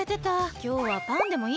きょうはパンでもいい？